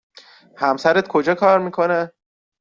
همسرت کجا کار می کند؟